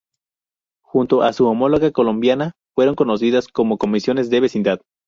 Junto a su homóloga colombiana fueron conocidas como "Comisiones de Vecindad".